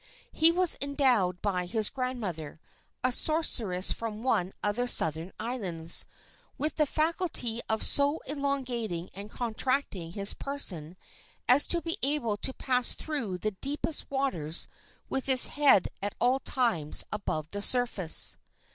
He was endowed by his grandmother, a sorceress from one of the southern islands, with the faculty of so elongating and contracting his person as to be able to pass through the deepest waters with his head at all times above the surface.